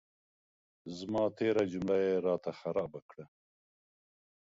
زما تېره جمله یې را ته خرابه کړه.